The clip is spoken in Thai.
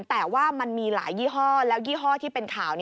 แต่ว่ามันมีหลายยี่ห้อแล้วยี่ห้อที่เป็นข่าว